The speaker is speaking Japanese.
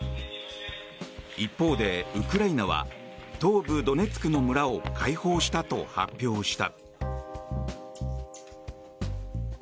一方で、ウクライナは東部ドネツクの村を解放したと発表した。